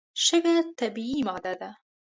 شګه طبیعي ماده ده.